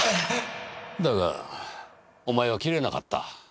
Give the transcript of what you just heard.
だがお前は斬れなかった。